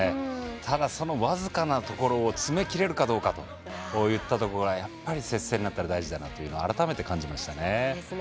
ただ、その僅かなところを詰めきれるかどうかっていうところが接戦になったら大事だなと改めて感じましたね。